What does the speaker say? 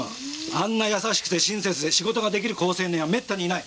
あんな優しくて親切で仕事が出来る好青年はめったにいない！